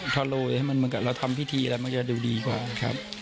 ทอโลไว้ให้มันรอทำพิธีแล้วมันปลอดภัยค่ะ